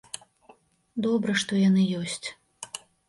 Добра, што яны ёсць.